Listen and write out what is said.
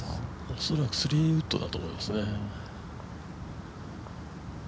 おそらく３ウッドだと思いますね。